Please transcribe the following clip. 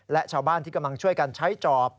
และชาวบ้านที่กำลังช่วยกันใช้จอบ